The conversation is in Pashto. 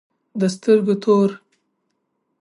د سترگو توره